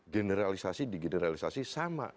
generalisasi digeneralisasi sama